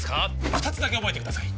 二つだけ覚えてください